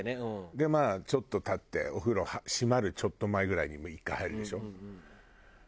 でまあちょっと経ってお風呂閉まるちょっと前ぐらいにもう１回入るでしょ。